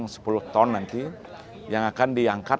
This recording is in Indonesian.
untuk membuatnya untuk orang orang yang berada di luar negara ini